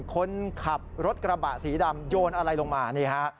คนขับรถกระบะสีดำโยนอะไรลงมานี่ฮะ